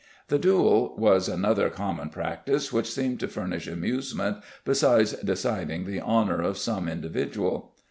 The duel was another common practice which seemed to furnish amusement besides deciding the honor of some individual.